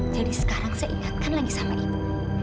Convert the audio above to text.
jadi sekarang saya ingatkan lagi sama ibu